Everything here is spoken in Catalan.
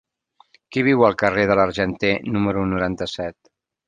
Qui viu al carrer de l'Argenter número noranta-set?